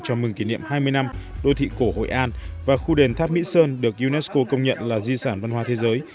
chào mừng kỷ niệm hai mươi năm đô thị cổ hội an và khu đền tháp mỹ sơn được unesco công nhận là di sản văn hóa thế giới